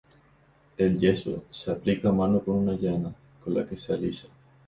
El yeso se aplica a mano con una llana, con la que se alisa.